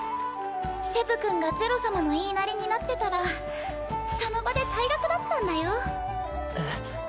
セブ君がゼロ様の言いなりになってたらその場で退学だったんだよえっ？